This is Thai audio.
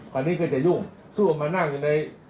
วันนี้ก็จะยุ่งสู้มานั่งอยู่ใน